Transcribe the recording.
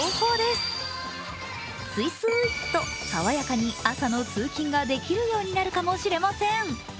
すいすいっと、爽やかに朝の通勤ができるようになるかもしれません。